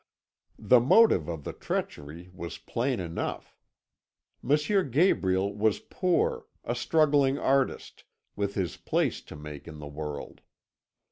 "The motive of the treachery was plain enough. M. Gabriel was poor, a struggling artist, with his place to make in the world.